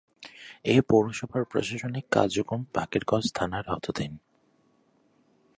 এ পৌরসভার প্রশাসনিক কার্যক্রম বাকেরগঞ্জ থানার আওতাধীন।